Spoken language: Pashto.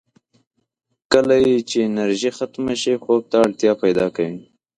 کله یې چې انرژي ختمه شي، خوب ته اړتیا پیدا کوي.